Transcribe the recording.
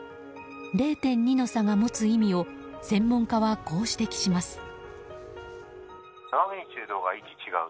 ０．２の差が持つ意味を専門家は、こう指摘します。